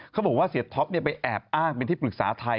เขาบอกว่าเสียท็อปไปแอบอ้างเป็นที่ปรึกษาไทย